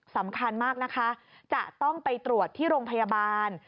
สำคัญมากนะคะจะต้องไปตรวจที่โรงพยาบาล